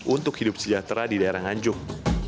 untuk hidup sejahtera di daerah nganjuk